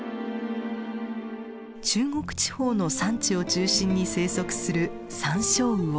中国地方の山地を中心に生息するサンショウウオ。